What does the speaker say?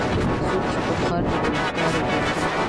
څوک چې پر ښار د ګناهکارو ګرځي.